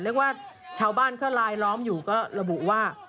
เรียกว่าชาวบ้านค่ะลายล้อมอยู่ก็ระบุว่า